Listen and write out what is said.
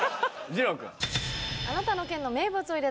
じろう君。